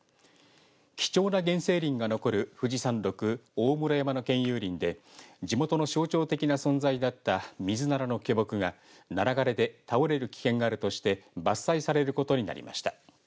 貴重な原生林が残る富士山麓大室山の県有林で地元の象徴的な存在だったミズナラの巨木がナラ枯れで倒れる危険があるとして伐採されることになりました。